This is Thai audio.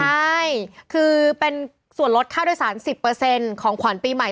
ใช่คือเป็นส่วนลดค่าโดยสาร๑๐เปอร์เซ็นต์ของขวัญปีใหม่